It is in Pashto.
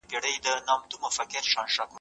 موږ سلام او روغبړ وکړ.